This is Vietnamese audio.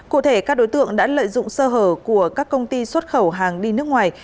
cụ thể các đối tượng đã lợi dụng sơ hở của các công ty xuất khẩu hàng đi nước ngoài